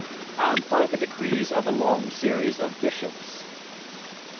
and by the decrees of a long series of bishops.